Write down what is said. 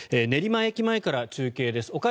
練馬駅前から中継です。